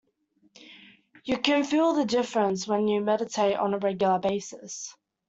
You can feel the difference when you meditate on a regular basis.